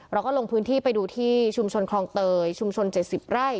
เราก็ลงพื้นที่ไปดูที่ชุมชนคลองเตยชุมชน๗๐ไร่